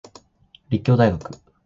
立教大学